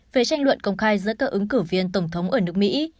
về tranh luận công khai giữa các ứng cử viên tổng thống ở nước mỹ